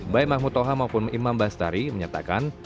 baik mahmud toha maupun imam bastari menyatakan